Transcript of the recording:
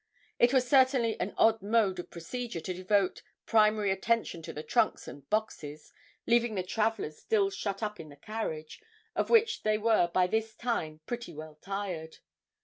It was certainly an odd mode of procedure to devote primary attention to the trunks and boxes, leaving the travellers still shut up in the carriage, of which they were by this time pretty well tired.